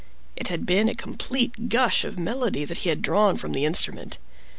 It had been a complete gush of melody that he had drawn from the instrument.